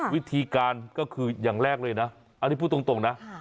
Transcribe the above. วิธีการก็คืออย่างแรกเลยนะอันนี้พูดตรงนะ